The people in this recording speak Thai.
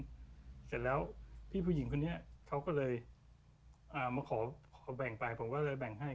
เสร็จแล้วพี่ผู้หญิงคนนี้เขาก็เลยอ่ามาขอแบ่งไปผมก็เลยแบ่งให้